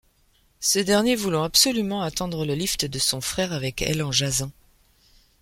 Ce dernier voulant absolument attendre le lift de son frère avec elle en jasant.